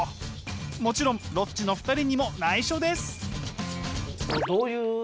もちろんロッチの２人にもないしょです。